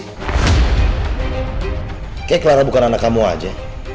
kayaknya clara bukan anak kamu aja